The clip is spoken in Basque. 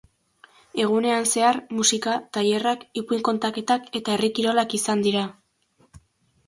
Egunean zehar, musika, tailerrak, ipuin-kontaketak eta herri-kirolak izan dira.